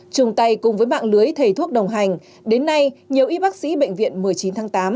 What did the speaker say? chung tay cùng với mạng lưới thầy thuốc đồng hành đến nay nhiều y bác sĩ bệnh viện một mươi chín tháng tám